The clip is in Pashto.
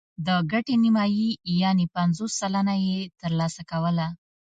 د ګټې نیمايي یعنې پنځوس سلنه یې ترلاسه کوله.